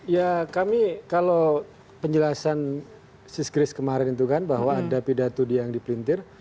ya kami kalau penjelasan sis grace kemarin itu kan bahwa ada pidato dia yang dipelintir